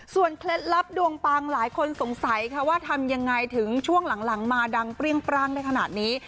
เคล็ดลับดวงปังหลายคนสงสัยค่ะว่าทำยังไงถึงช่วงหลังมาดังเปรี้ยงปร่างได้ขนาดนี้